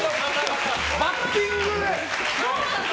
バッティングで。